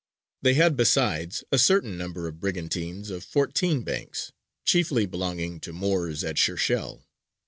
They had besides a certain number of brigantines of 14 banks, chiefly belonging to Moors at Shershēl.